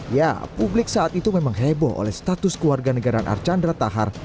ya publik saat itu memang heboh oleh status keluarga negaraan archandra tahar